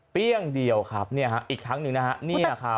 อย่างเดียวครับอีกครั้งหนึ่งนะฮะ